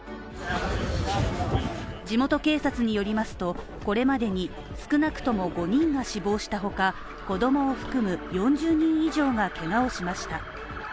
地元警察によりますと、これまでに少なくとも５人が死亡したほか、子供を含む４０人以上がけがをしました。